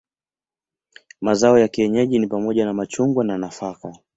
Mazao ya kienyeji ni pamoja na machungwa na nafaka.